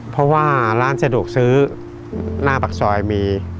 เพราะว่าร้านสะดวกซื้อหน้าปากซอยมี